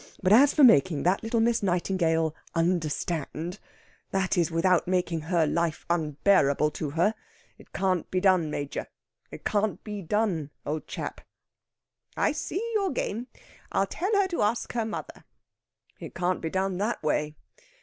But as for making that little Miss Nightingale understand that is, without making her life unbearable to her it can't be done, Major. It can't be done, old chap!" "I see your game. I'll tell her to ask her mother." "It can't be done that way.